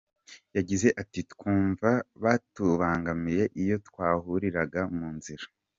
Yagize ati “Twumvaga batubangamiye iyo twahuriraga mu nzira.